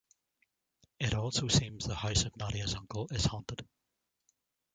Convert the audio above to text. It also seems the house of Nadia's uncle is haunted.